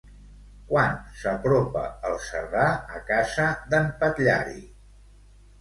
Quan s'apropa el Cerdà a casa d'en Patllari?